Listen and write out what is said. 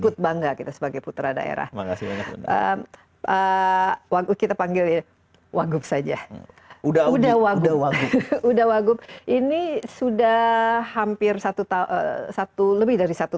terima kasih kita panggil wabub saja udah wabub ini sudah hampir satu tahun satu lebih dari satu